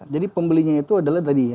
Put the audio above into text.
jadi pembelinya itu adalah tadi ya